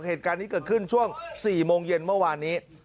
เหตุการณ์นี้เกิดขึ้นช่วง๔โมงเย็นเมื่อวานนี้